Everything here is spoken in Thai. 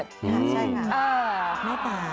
ใช่ค่ะแม่จ๋า